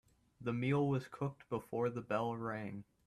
The meal was cooked before the bell rang.